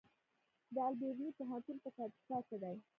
د البیروني پوهنتون په کاپیسا کې دی